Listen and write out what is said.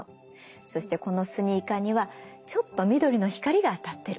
そしてこのスニーカーにはちょっと緑の光が当たってる。